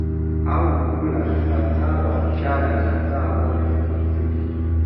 Au kula saa saba mchana na saa moja usiku